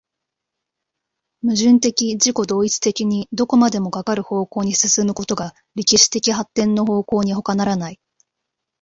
矛盾的自己同一的にどこまでもかかる方向に進むことが歴史的発展の方向にほかならない。